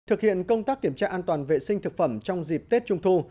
thực hiện công tác kiểm tra an toàn vệ sinh thực phẩm trong dịp tết trung thu